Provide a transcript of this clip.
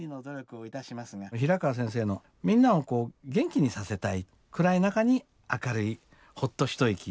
平川先生のみんなを元気にさせたい暗い中に明るいほっと一息を届けるようなね